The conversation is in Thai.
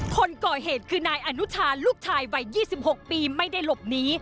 คนก่อเหตุคือนายอนุชาลูกชายวัย๒๖ปีไม่ได้หลบหนี